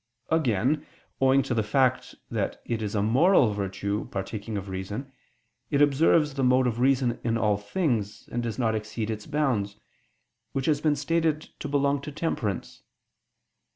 Again, owing to the fact that it is a moral virtue partaking of reason, it observes the mode of reason in all things, and does not exceed its bounds, which has been stated to belong to temperance.